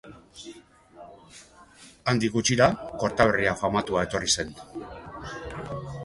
Handik gutxira, Kortaberria famatua etorri zen.